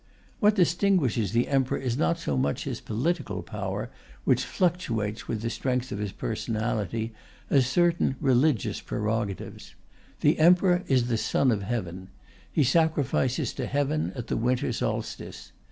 What distinguishes the Emperor is not so much his political power, which fluctuates with the strength of his personality, as certain religious prerogatives. The Emperor is the Son of Heaven; he sacrifices to Heaven at the winter solstice.